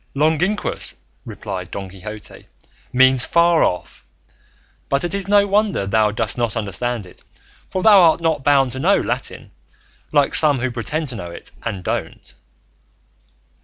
"Longinquous," replied Don Quixote, "means far off; but it is no wonder thou dost not understand it, for thou art not bound to know Latin, like some who pretend to know it and don't."